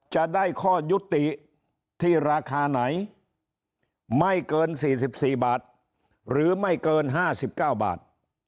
จะได้ข้อยุติที่ราคาไหนไม่เกิน๔๔บาทหรือไม่เกิน๕๙บาท